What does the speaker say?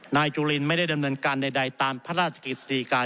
นายจุลินส์ไม่ได้ดำเนินการใดตามพระราชกิจสิริกา